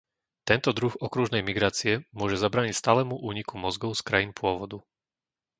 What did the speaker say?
Tento druh okružnej migrácie môže zabrániť stálemu úniku mozgov z krajín pôvodu.